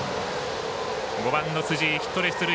５番の辻井、ヒットで出塁。